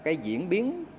cái diễn biến